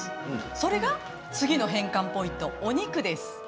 それが次の変換ポイントです